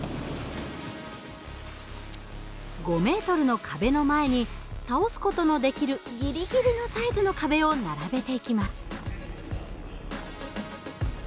５ｍの壁の前に倒す事のできるギリギリのサイズの壁を並べていきます。